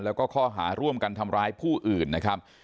แล้วก็ข้อหาร่วมกันทำร้ายผู้อื่นนะครับ